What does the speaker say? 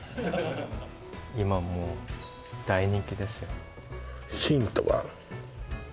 今もう大人気ですよヒントは？